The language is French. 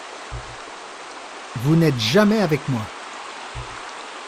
Vous n’êtes jamais avec moi.